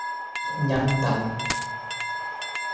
Na na talung.